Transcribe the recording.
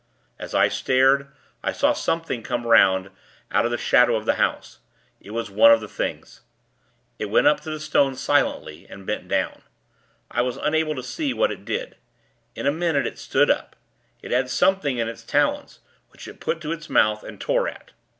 As I stared, I saw something come 'round, out of the shadow of the house. It was one of the Things. It went up to the stone, silently, and bent down. I was unable to see what it did. In a minute it stood up. It had something in its talons, which it put to its mouth and tore at....